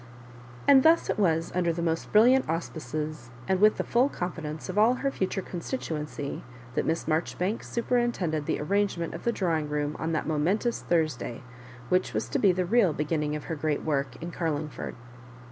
And thus it was, under the most brilliant auspices, and with the full confidence of all her future consti tuency, that Miss Maijoribanks superintended the arrangement of the drawing room on that mo mentous Thursday, which was to be the real be ginning of her great work in Carlmgford.